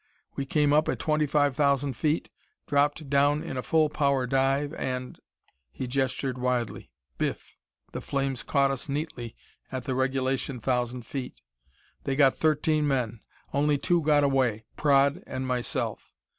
We came up at twenty five thousand feet, dropped down in a full power dive, and" he gestured widely "biff! The flames caught us neatly at the regulation thousand feet. They got thirteen men. Only two got away, Praed and myself."